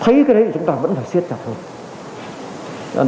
thấy cái đấy thì chúng ta vẫn phải siết chặt thôi